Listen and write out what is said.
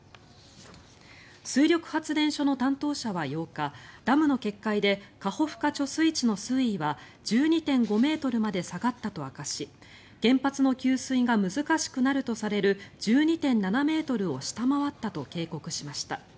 水力発電所の担当者は８日ダムの決壊でカホフカ貯水池の水位は１２．５ｍまで下がったと明かし原発の給水が難しくなるとされる１２．７ｍを下回ったと警告しました。